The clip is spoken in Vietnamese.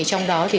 trong đó quy định